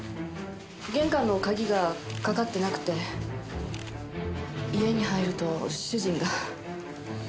玄関の鍵がかかってなくて家に入ると主人が。